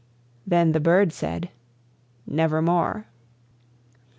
Then the bird said, "Nevermore."